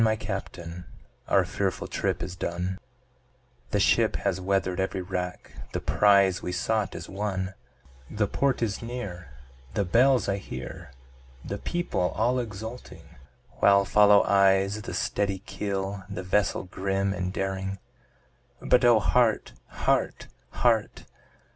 my Captain, our fearful trip is done, The ship has weather'd every rack, the prize we sought is won, The port is near, the bells I hear, the people all exulting, While follow eyes the steady keel, the vessel grim and daring; But O heart! heart! heart!